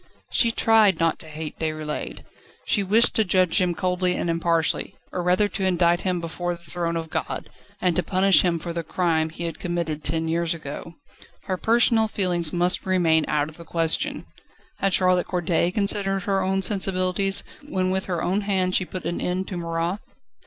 She tried not to hate Déroulède. She wished to judge him coldly and impartially, or rather to indict him before the throne of God, and to punish him for the crime he had committed ten years ago. Her personal feelings must remain out of the question. Had Charlotte Corday considered her own sensibilities, when with her own hand she put an end to Marat?